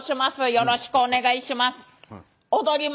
よろしくお願いします。